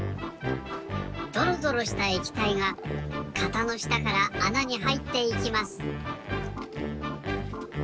どろどろしたえきたいが型のしたからあなにはいっていきます。